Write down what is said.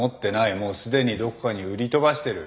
もうすでにどこかに売り飛ばしてる」